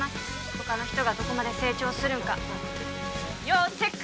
他の人がどこまで成長するんか要チェック